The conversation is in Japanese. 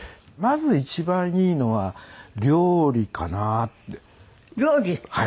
まず一番いいのは料理かなって。